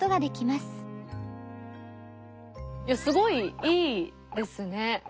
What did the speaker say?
いやすごいいいですね。